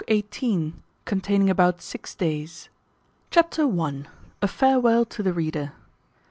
BOOK XVIII. CONTAINING ABOUT SIX DAYS. Chapter i. A farewel to the reader.